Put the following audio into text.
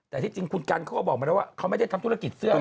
แต่ที่จริงคุณกันเขาก็บอกมาแล้วว่าเขาไม่ได้ทำธุรกิจเสื้อ